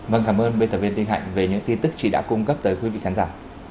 vâng cảm ơn biên tập viên tinh hạnh về những tin tức chị đã cung cấp tới quý vị khán giả